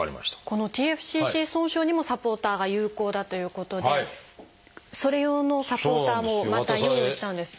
このＴＦＣＣ損傷にもサポーターが有効だということでそれ用のサポーターもまた用意したんです。